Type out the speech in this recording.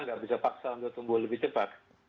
nggak bisa paksa untuk tumbuh lebih cepat